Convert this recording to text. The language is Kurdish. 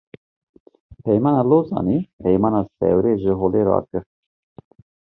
Peymana Lozanê, Peymana Sewrê ji holê rakir